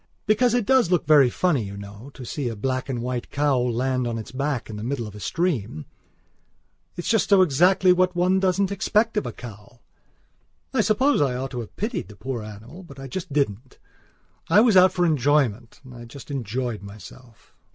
Because it does look very funny, you know, to see a black and white cow land on its back in the middle of a stream. It is so just exactly what one doesn't expect of a cow. I suppose I ought to have pitied the poor animal; but I just didn't. I was out for enjoyment. And I just enjoyed myself.